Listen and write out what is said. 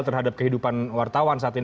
terhadap kehidupan wartawan saat ini